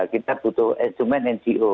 kita butuh instrumen ngo